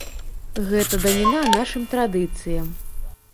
Гэта даніна нашым традыцыям.